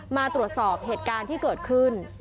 มาตรวจสอบเหตุการณ์ที่เกิดขึ้น